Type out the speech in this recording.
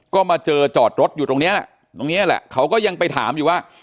ก็มาเจอจอดรถอยู่ตรงนี้แหละตรงนี้แหละเขาก็ยังไปถามอยู่ว่า